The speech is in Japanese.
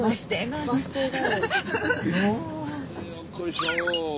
よっこいしょ！